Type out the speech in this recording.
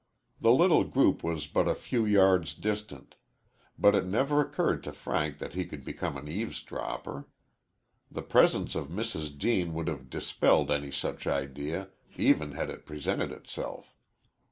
The little group was but a few yards distant, but it never occurred to Frank that he could become an eavesdropper. The presence of Mrs. Deane would have dispelled any such idea, even had it presented itself.